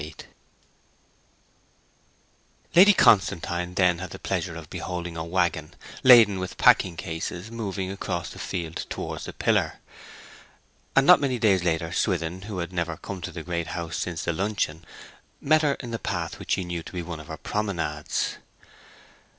VIII Lady Constantine then had the pleasure of beholding a waggon, laden with packing cases, moving across the field towards the pillar; and not many days later Swithin, who had never come to the Great House since the luncheon, met her in a path which he knew to be one of her promenades.